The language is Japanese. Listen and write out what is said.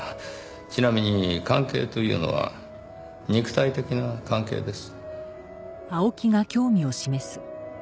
ちなみに関係というのは肉体的な関係です。